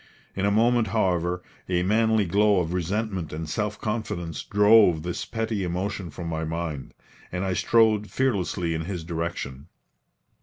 In a moment, however, a manly glow of resentment and self confidence drove this petty emotion from my mind, and I strode fearlessly in his direction.